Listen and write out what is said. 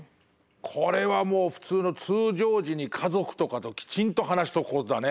これはもう普通の通常時に家族とかときちんと話しとくことだね。